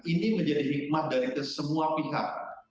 ini menjadi hikmat dari semua pihak